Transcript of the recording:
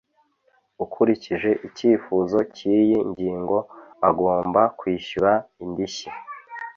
Ukurikije icyifuzo cy’iyi ngingo agomba kwishyura indishyi